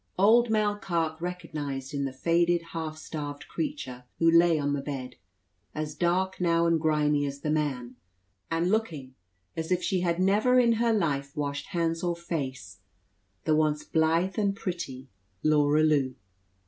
Old Mall Carke recognized in the faded half starved creature who lay on the bed, as dark now and grimy as the man, and looking as if she had never in her life washed hands or face, the once blithe and pretty Laura Lew.